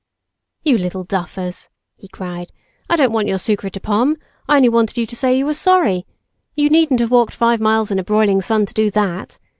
"You little duffers," he cried, "I don't want your sucre de pomme, I only wanted you to say you were sorry. You needn't have walked five miles in the broiling sun to do that.